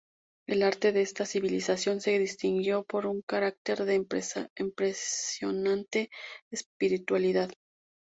El arte de esta civilización se distinguió por un carácter de impresionante espiritualidad.